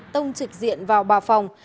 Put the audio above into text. tông trực diện vào bà phòng